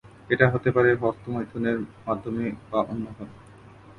এটা হতে পারে হস্তমৈথুনের মাধ্যমে বা অন্যভাবে